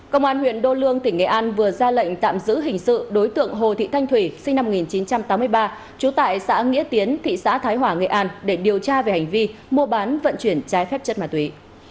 công an huyện đô lương tỉnh nghệ an vừa ra lệnh tạm giữ hình sự đối tượng hồ thị thanh thủy sinh năm một nghìn chín trăm tám mươi ba trú tại xã nghĩa tiến thị xã thái hòa nghệ an để điều tra về hành vi mua bán vận chuyển trái phép chất ma túy